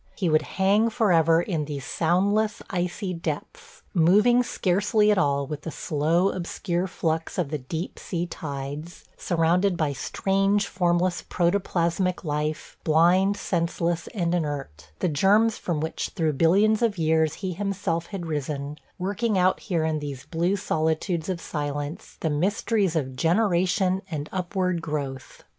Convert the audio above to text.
He would hang forever in these soundless, icy depths, moving scarcely at all with the slow, obscure flux of the deep sea tides, surrounded by strange, formless, protoplasmic life, blind, senseless, and inert – the germs from which through billions of years he himself had risen – working out here in these blue solitudes of silence the mysteries of generation and upward growth.